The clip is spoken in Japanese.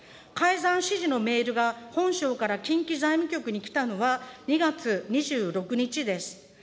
改ざん指示のメールが本省から近畿財務局に来たのは、２月２６日です。